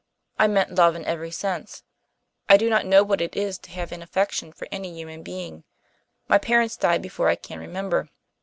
I meant love in every sense. I do not know what it is to have an affection for any human being. My parents died before I can remember.